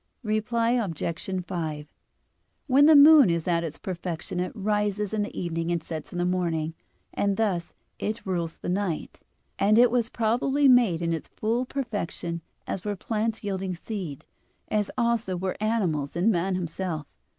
Reply Obj. 5: When the moon is at its perfection it rises in the evening and sets in the morning, and thus it rules the night, and it was probably made in its full perfection as were plants yielding seed, as also were animals and man himself.